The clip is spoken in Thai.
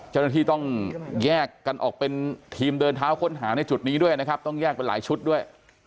เจ้าหน้าที่ต้องแยกกันออกเป็นทีมเดินเท้าค้นหาในจุดนี้ด้วยนะครับต้องแยกเป็นหลายชุดด้วย